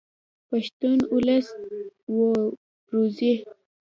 پښتون اولس و روزئ.